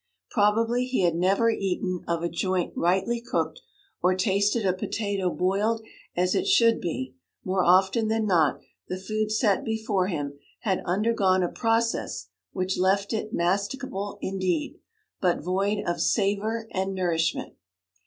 Probably he had never eaten of a joint rightly cooked, or tasted a potato boiled as it should be; more often than not, the food set before him had undergone a process which left it masticable indeed, but void of savour and nourishment.